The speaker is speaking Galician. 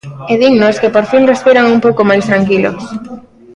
E dinnos que por fin respiran un pouco máis tranquilos.